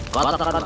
kau tak akan